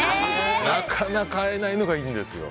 なかなか会えないのがいいんですよ。